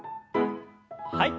はい。